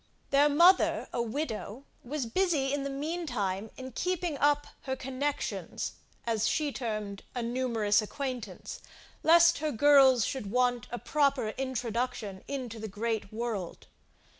Their mother, a widow, was busy in the mean time in keeping up her connexions, as she termed a numerous acquaintance lest her girls should want a proper introduction into the great world.